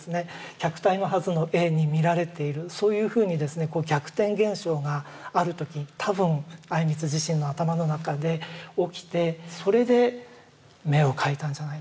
客体のはずの絵に見られているそういうふうにですね逆転現象がある時多分靉光自身の頭の中で起きてそれで眼を描いたんじゃないのかな。